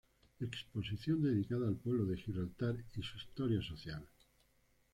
Exposición dedicado al pueblo de Gibraltar y su historia social.